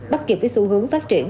bắt kịp với xu hướng phát triển